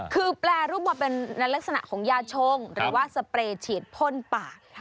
คือแปรรูปมาเป็นในลักษณะของยาชงหรือว่าสเปรย์ฉีดพ่นปาก